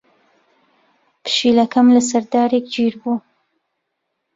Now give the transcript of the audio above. پشیلەکەم لەسەر دارێک گیر بوو.